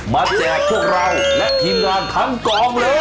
แจกพวกเราและทีมงานทั้งกองเลย